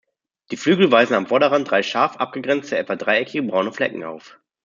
Die Flügel weisen am Vorderrand drei scharf abgegrenzte, etwa dreieckige, braune Flecken auf.